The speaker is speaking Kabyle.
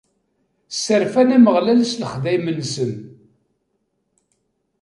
Sserfan Ameɣlal s lexdayem-nsen.